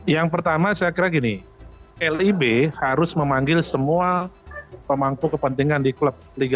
yang pertama saya kira gini lib harus memanggil semua pemangku kepentingan di klub liga satu